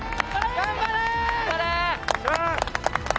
頑張れ！